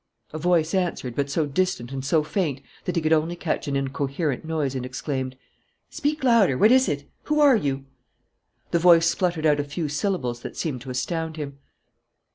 A voice answered, but so distant and so faint that he could only catch an incoherent noise and exclaimed: "Speak louder! What is it? Who are you?" The voice spluttered out a few syllables that seemed to astound him.